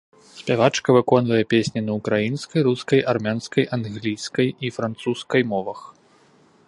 Спявачка выконвае песні на ўкраінскай, рускай, армянскай, англійскай і французскай мовах.